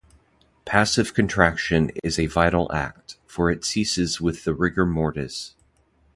Passive contraction is a vital act, for it ceases with the rigor mortis.